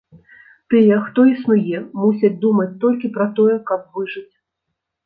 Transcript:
Тыя, хто існуе, мусяць думаць толькі пра тое, каб выжыць.